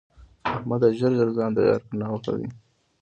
احمده! ژر ژر ځان تيار کړه؛ ناوخته دی.